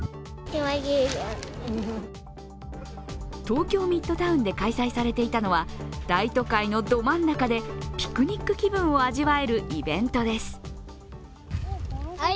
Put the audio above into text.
東京ミッドタウンで開催されていたのは、大都会のど真ん中でピクニック気分を味わえるイベントです。